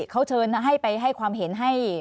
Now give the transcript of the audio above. เขาเชิญให้ไปให้ความเห็นให้